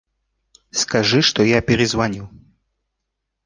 Скажи, что я перезвоню.